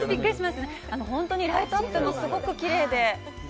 本当にライトアップもすごくきれいで。